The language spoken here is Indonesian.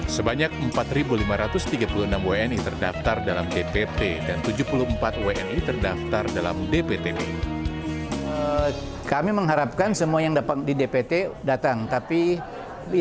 sebanyak empat lima ratus tiga puluh enam wni terdaftar dalam dpp dan tujuh puluh empat wni terdaftar dalam dptb